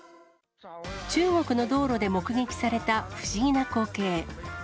中国の道路で目撃された不思議な光景。